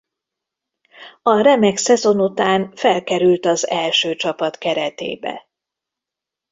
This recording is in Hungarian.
A remek szezon után felkerült az első csapat keretébe.